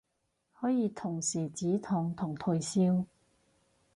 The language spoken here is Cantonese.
可以同時止痛同退燒